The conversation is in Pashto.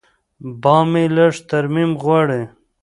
بام مې لږ ترمیم غواړي.